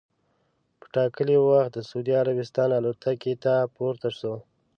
په ټا کلي وخت د سعودي عربستان الوتکې ته پورته سو.